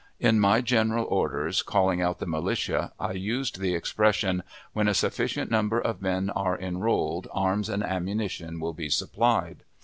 In my general orders calling out the militia, I used the expression, "When a sufficient number of men are enrolled, arms and ammunition will be supplied."